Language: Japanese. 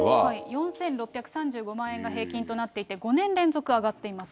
４６３５万円が平均となっていて、５年連続上がっています。